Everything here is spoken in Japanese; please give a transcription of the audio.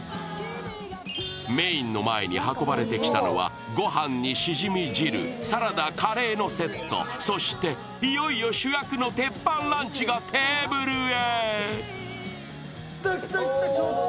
メインの前に運ばれてきたのは、ご飯にしじみ汁、サラダ、カレーのセット、そしていよいよ主役の鉄板ランチがテーブルへ。